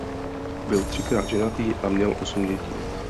Byl třikrát ženatý a měl osm dětí.